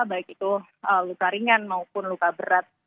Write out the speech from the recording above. baik itu luka ringan maupun luka berat